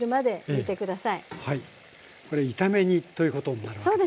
これ炒め煮ということになるわけですね。